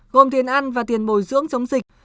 gồm tiền ăn và tiền bồi dưỡng chống dịch